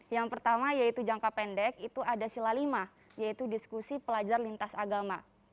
yang pertama yaitu jangka pendek itu ada sila lima yaitu diskusi pelajar lintas agama